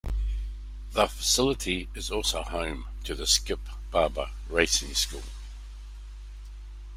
The facility is also home to the Skip Barber Racing School.